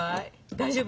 大丈夫？